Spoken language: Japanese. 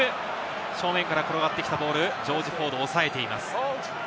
正面から転がってきたボール、ジョージ・フォード押さえています。